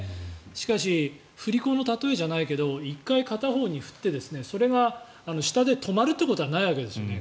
しかし振り子の例えじゃないけど１回片方に振ってそれが下で止まるということはないですよね。